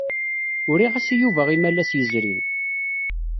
Uriɣ-as i Yuba imalas yezrin.